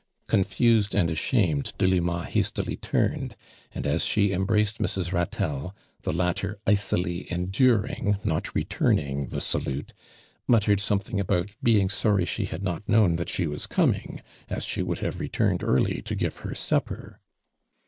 Confused and iwhamci I, Dolima hastily turned, and ns she emhrnced Mrs. llatelle, the latter icily enduring, not re turning the salute, muttered something about ooing sorry who liad not known that she was coming, as she would have I'eturnod early to give her supi)er.